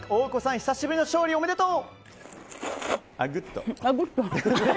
久しぶりの勝利おめでとう！